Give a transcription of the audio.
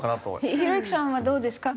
ひろゆきさんはどうですか？